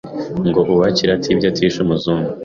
Ngo uwakira atibye atishe umuzungu